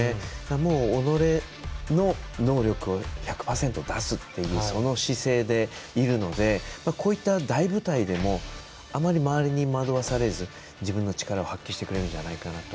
もう、己の能力を１００％出すっていうその姿勢でいるのでこういった大舞台でもあまり周りに惑わされず自分の力を発揮してくれるんじゃないかなと。